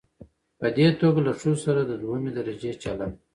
په دې توګه له ښځو سره د دويمې درجې چلن